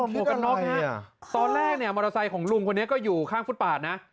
วกกันน็อกฮะตอนแรกเนี่ยมอเตอร์ไซค์ของลุงคนนี้ก็อยู่ข้างฟุตปาดนะ